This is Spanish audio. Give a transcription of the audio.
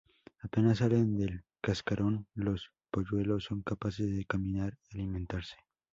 Apenas salen del cascarón, los polluelos son capaces de caminar y alimentarse.